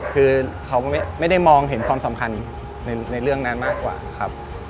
คือเขาไม่ได้มองเห็นความสำคัญในเรื่องนั้นมากกว่าครับ